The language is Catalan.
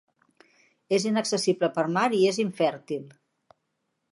És inaccessible per mar i és infèrtil.